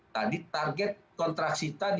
tadi target kontraksi tadi